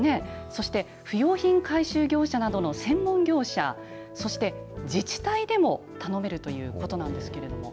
そして不用品回収業者などの専門業者、そして自治体でも頼めるということなんですけれども。